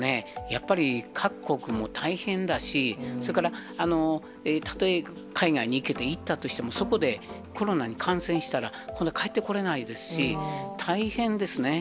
やっぱり各国も大変だし、それから、たとえ海外に行けて、行ったとしても、そこでコロナに感染したら、これ、帰ってこれないですし、大変ですね。